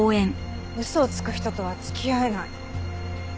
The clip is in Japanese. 嘘をつく人とは付き合えない。